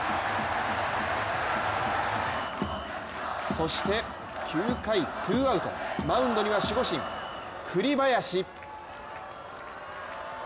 そして９回、ツーアウトマウンドには守護神・栗林。